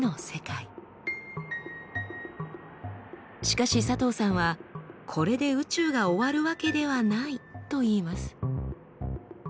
しかし佐藤さんはこれで宇宙が終わるわけではないといいます。